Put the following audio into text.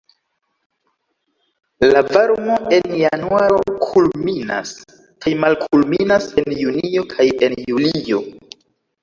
La varmo en januaro kulminas kaj malkulminas en junio kaj en julio.